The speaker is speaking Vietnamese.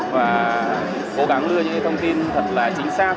và cố gắng đưa những thông tin thật là chính xác